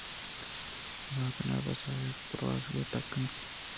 پدا بناربس ءَ یک دروازگے ٹُک اِت